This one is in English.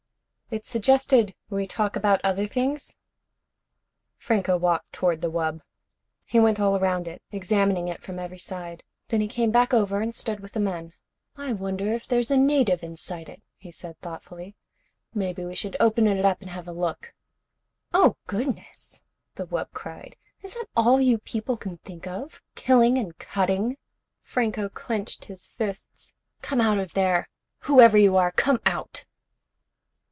"It suggested we talk about other things." Franco walked toward the wub. He went all around it, examining it from every side. Then he came back over and stood with the men. "I wonder if there's a native inside it," he said thoughtfully. "Maybe we should open it up and have a look." "Oh, goodness!" the wub cried. "Is that all you people can think of, killing and cutting?" Franco clenched his fists. "Come out of there! Whoever you are, come out!"